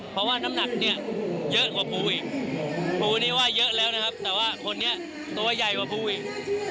เพราะว่าน้ำหนักเนี่ยเยอะกว่าปูอีกปูนี่ว่าเยอะแล้วนะครับแต่ว่าคนนี้ตัวใหญ่กว่าปูอีก